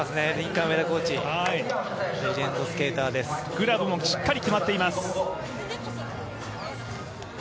グラブもしっかり決まっています。